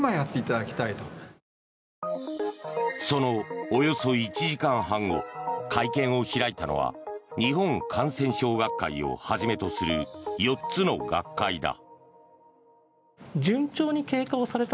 そのおよそ１時間半後会見を開いたのは日本感染症学会をはじめとする４つの学会だ。